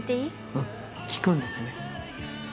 うん聞くんですね